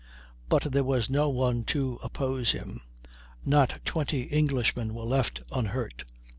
But there was no one to oppose him; not twenty Englishmen were left unhurt.